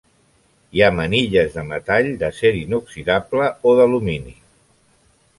Hi ha manilles de metall, d'acer inoxidable o d'alumini.